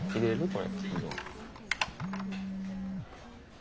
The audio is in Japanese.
これ。